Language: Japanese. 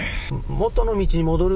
元の道に戻る。